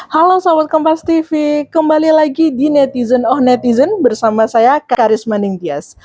halo selamat kompas tv kembali lagi di netizen oh netizen bersama saya karisma ningtyas